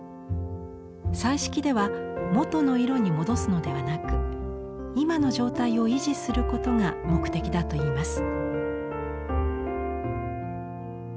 彩色では元の色に戻すのではなく今の状態を維持することが目的だといいます。